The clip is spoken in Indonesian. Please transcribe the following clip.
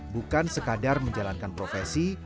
bukan sekadar menjalankan profesi